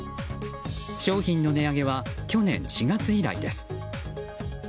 商品の値上げは去年４月以来です。